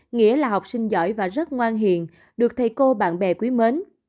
nghĩa là học sinh giỏi và rất ngoan hiện được thầy cô bạn bè quý mến